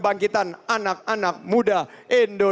saya berterima kasih kepada